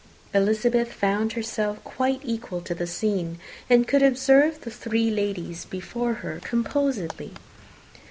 Elizabeth found herself quite equal to the scene, and could observe the three ladies before her composedly.